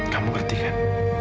kamu ngerti kan